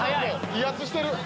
威圧してる！